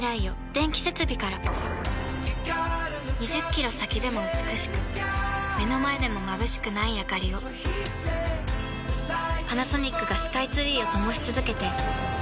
２０キロ先でも美しく目の前でもまぶしくないあかりをパナソニックがスカイツリーを灯し続けて今年で１０年